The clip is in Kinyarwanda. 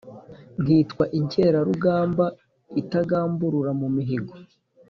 nkitwa inkerarugamba itagamburura mu mihigo.